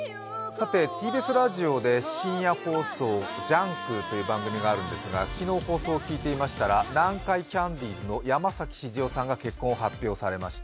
ＴＢＳラジオで深夜放送、「ジャンク」という番組があるんですが昨日放送を聴いていましたら南海キャンディーズの山崎静代さんが結婚を発表されました。